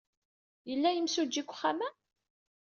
Yella yemsujji deg wexxam-a?